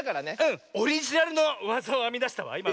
オリジナルのわざをあみだしたわいま。